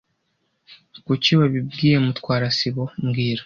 Kuki wabibwiye Mutwara sibo mbwira